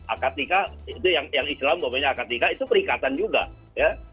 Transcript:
akad nikah itu yang islam umpamanya akad nikah itu perikatan juga ya